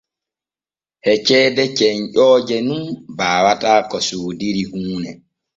E ceede cenƴooje nun baawata ko soodiri huune.